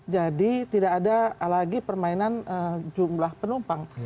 jadi tidak ada lagi permainan jumlah penumpang